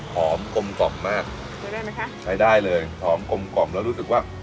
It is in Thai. กลมกล่อมมากใช้ได้ไหมคะใช้ได้เลยหอมกลมกล่อมแล้วรู้สึกว่า